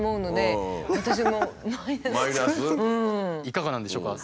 いかがなんでしょうか？